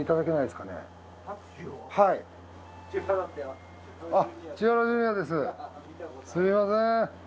すみません。